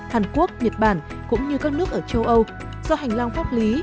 hàn quốc nhật bản cũng như các nước ở châu âu do hành lang pháp lý